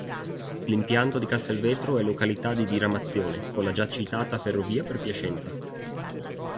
L'impianto di Castelvetro è località di diramazione con la già citata ferrovia per Piacenza.